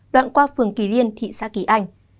đoạn qua phường kỳ liên thị xã kỳ anh